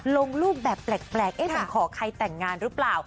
ลงรูปแบบแปลกเอ๊ะฉันขอใครแต่งงานหรือเปล่า